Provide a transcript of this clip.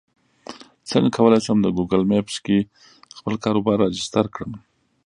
څنګه کولی شم د ګوګل مېپس کې خپل کاروبار راجستر کړم